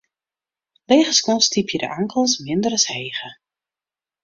Lege skuon stypje de ankels minder as hege.